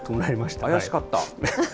怪しかった？